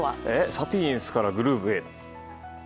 サピエンスからグルーヴへ。